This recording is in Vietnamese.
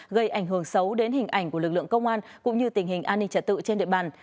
gây ảnh hưởng xấu đến hình ảnh của lực lượng công an cũng như tình hình an ninh trật tự trên địa bàn